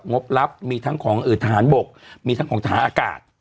บลับมีทั้งของทหารบกมีทั้งของฐานอากาศ